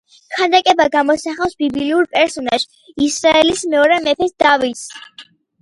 ქანდაკება გამოსახავს ბიბლიურ პერსონაჟს, ისრაელის მეორე მეფეს დავითს.